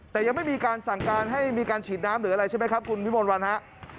แต่ยังไม่มีการสั่งการให้มีการฉีดน้ำหรืออะไรใช่ไหมครับคุณวิมนต์วันฮะ